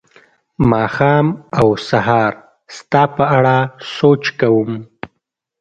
ماښام او سهار ستا په اړه سوچ کوم